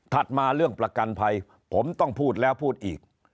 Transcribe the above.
มาเรื่องประกันภัยผมต้องพูดแล้วพูดอีก